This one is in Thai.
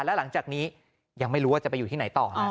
แล้วหลังจากนี้ยังไม่รู้ว่าจะไปอยู่ที่ไหนต่อ